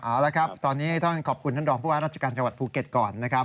เอาละครับตอนนี้ท่านขอบคุณท่านรองผู้ว่าราชการจังหวัดภูเก็ตก่อนนะครับ